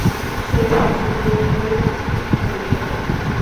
সে কিছুতেই হইবে না।